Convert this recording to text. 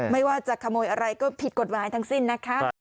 ไม่ว่าจะขโมยอะไรก็ผิดกฎหมายทั้งสิ้นนะคะ